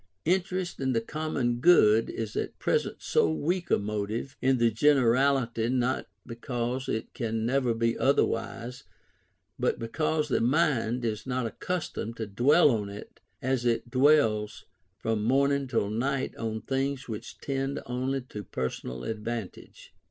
Interest in the common good is at present so weak a motive in the generality not because it can never be otherwise, but because the mind is not accustomed to dwell on it as it dwells from morning till night on things which tend only to personal advantage.